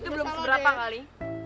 itu belum seberapa kali